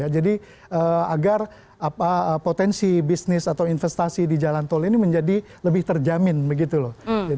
jadi agar potensi bisnis atau investasi di jalan tol ini menjadi lebih terjamin begitu loh